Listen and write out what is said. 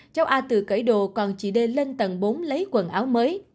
cháu a tự kể đồ còn chị đê lên tầng bốn lấy quần áo mới